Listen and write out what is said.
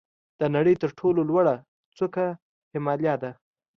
د نړۍ تر ټولو لوړه څوکه هیمالیا ده.